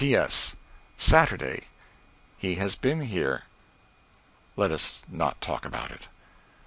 P.S. Saturday. He has been here. Let us not talk about it.